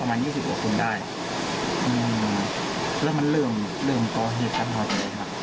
แล้วมันเริ่มต่อเหตุนั้นถึงอะไรครับ